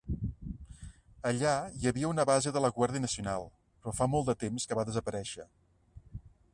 Allà hi havia una base de la Guàrdia Nacional, però fa molt de temps que va desaparèixer.